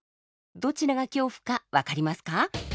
どちらが恐怖か分かりますか？